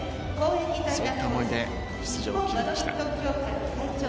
そういった思いで出場を決めました。